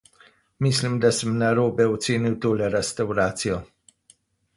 Mislim, da sem narobe ocenil tole restavracijo.